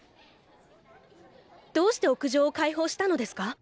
どうして屋上を開放したのですか？